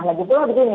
jadi kalau begini